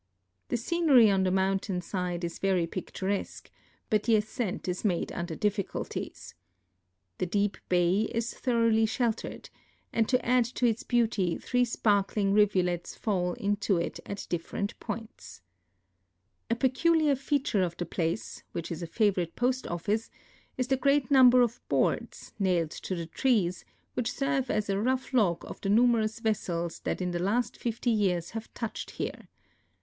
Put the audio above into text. The scenery on the mountain side is very picturesque, but the ascent is made under difficulties. The deep bay is thoroughl}^ sheltered, and to add to its beauty three spark WI.XTIJR VoVAdE TIIROVGH STRAITS OF MArH'JJ. AX i:!0 ling rivulets fall into it at different points. A peculiar feature of the place (which is a favorite post oHice) is the great number of boards, nailed to the trees, which serve as a rough log of the numerous vessels that in the last fifty years have touched here.